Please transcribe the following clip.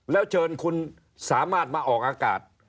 แล้วเชิญคุณสามารถมาออกอากาศ